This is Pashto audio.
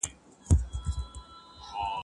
چغال هم کړې له خوښیه انګولاوي !.